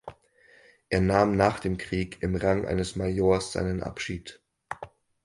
Er nahm nach dem Krieg im Rang eines Majors seinen Abschied.